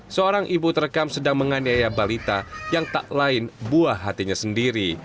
seorang ibu terekam sedang menganiaya balita yang tak lain buah hatinya sendiri